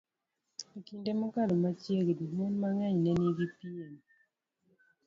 E kinde mokalo machiegni, mon mang'eny ma nigi pien